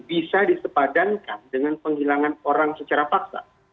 bisa disepadankan dengan penghilangan orang secara paksa